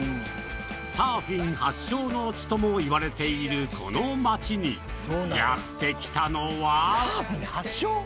サーフィン発祥の地ともいわれているこの町にサーフィン発祥？